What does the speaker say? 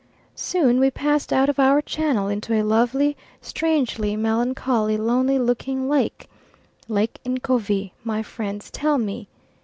Soon we passed out of our channel into a lovely, strangely melancholy, lonely looking lake Lake Ncovi, my friends tell me.